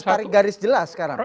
tarik garis jelas sekarang